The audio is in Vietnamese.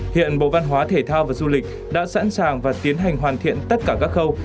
hiện bộ văn hóa thể thao và du lịch đã sẵn sàng và tiến hành hoàn thiện tất cả các khâu